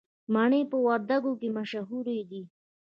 مڼې په وردګو کې مشهورې دي